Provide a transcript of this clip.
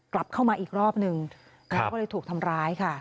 กลับเข้ามาอีกรอบนึงแล้วก็เลยถูกทำร้ายค่ะ